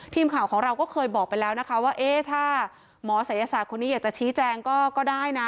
ทีมข่าวของเราก็เคยบอกไปแล้วนะคะว่าเอ๊ะถ้าหมอศัยศาสตร์คนนี้อยากจะชี้แจงก็ได้นะ